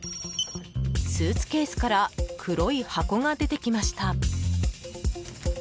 スーツケースから黒い箱が出てきました。